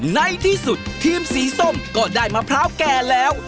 ในที่สุดทีมสีส้มก็ได้มะพร้าวแก่แล้ว